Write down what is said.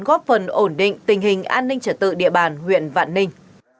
góp phần ổn định tình hình an ninh trở tự địa bàn huyện vạn ninh